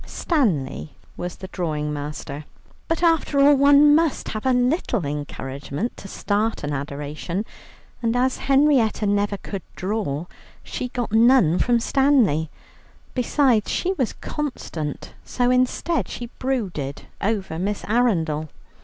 Stanley was the drawing master. But after all one must have a little encouragement to start an adoration, and as Henrietta never could draw, she got none from Stanley. Besides she was constant, so instead, she brooded over Miss Arundel.